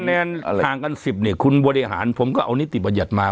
แนนอะไรห่างกัน๑๐เนี่ยคุณบริหารผมก็เอานิติบัญญัติมา